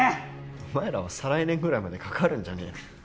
お前らは再来年ぐらいまでかかるんじゃねえの？